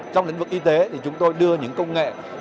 trong lĩnh vực y tế thì chúng tôi đưa những công nghệ